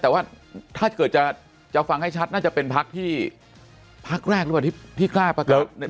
แต่ว่าถ้าเกิดจะฟังให้ชัดน่าจะเป็นพักที่พักแรกหรือเปล่าที่กล้าประกาศ